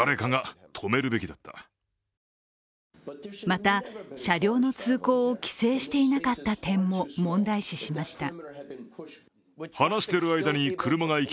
また、車両の通行を規制していなかった点も問題視しました。